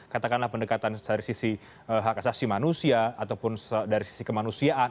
katakanlah pendekatan dari sisi hak asasi manusia ataupun dari sisi kemanusiaan